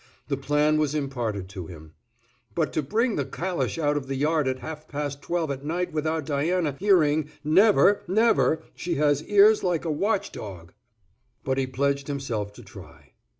The plan was imparted to him. "But to bring the calash out of the yard at half past twelve at night without Diana hearing, never—never—she has ears like a watch dog." But he pledged himself to try.